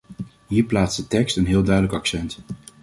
Hier plaatst de tekst een heel duidelijk accent.